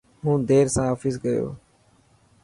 هون دير سان آفيس گيو.